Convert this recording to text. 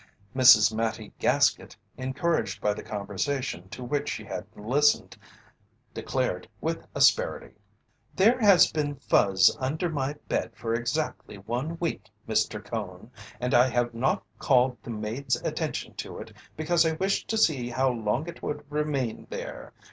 Miss Mattie Gaskett, encouraged by the conversation to which she had listened, declared with asperity: "There has been fuzz under my bed for exactly one week, Mr. Cone, and I have not called the maid's attention to it because I wished to see how long it would remain there.